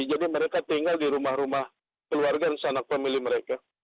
jadi mereka tinggal di rumah rumah keluarga dan sanak pemilih mereka